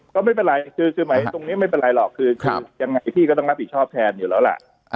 ก็ไม่เป็นไรคือสมัยตรงนี้ไม่เป็นไรหรอกคือยังไงพี่ก็ต้องรับผิดชอบแทนอยู่แล้วล่ะ